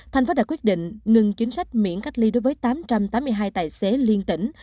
thành phố đã quyết định ngừng chính sách miễn cách ly đối với tám trăm tám mươi hai tài xế liên tỉnh